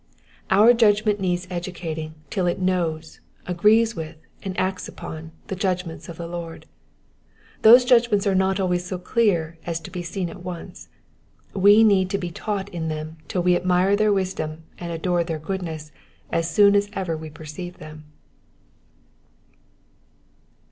Our judgment needs educating till it knows, agrees with, and acts upon, the judgments of the Lord. Those judgments are not always so clear as to be seen at once ; we need to be taught in them till we admire their wisdom and adore their goodness as soon as ever we perceive them.